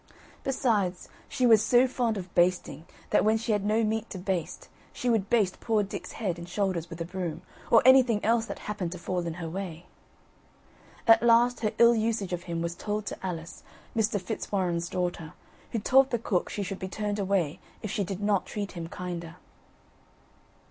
Besides, she was so fond of basting, that when she had no meat to baste, she would baste poor Dick's head and shoulders with a broom, or anything else that happened to fall in her way. At last her ill usage of him was told to Alice, Mr. Fitzwarren's daughter, who told the cook she should be turned away if she did not treat him kinder.